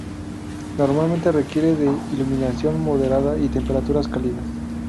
Normalmente requieren de iluminación moderada y temperaturas cálidas.